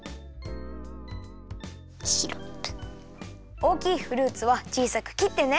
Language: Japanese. おおきいフルーツはちいさくきってね。